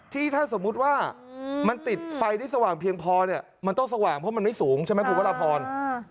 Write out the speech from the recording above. ที่ถ้าสมมุติว่ามันติดไฟได้สว่างเพียงพอเนี่ยมันต้องสว่างเพราะมันไม่สูงใช่ไหมคุณพระราพร